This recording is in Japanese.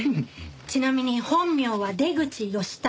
ちなみに本名は出口義隆。